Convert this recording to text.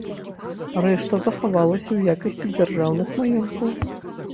Рэшта захавалася ў якасці дзяржаўных маёнткаў.